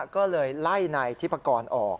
ก็เลยไล่นายทิพกรออก